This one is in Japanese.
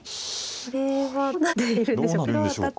これはどうなっているんでしょうか。